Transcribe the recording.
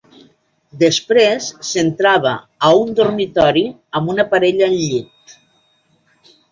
Després, s'entrava a un dormitori amb una parella al llit.